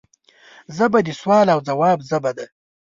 ژبه د سوال او ځواب ژبه ده